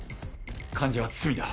患者は堤だ。